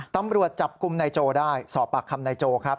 ตำรวจจับกลุ่มนายโจได้สอบปากคำนายโจครับ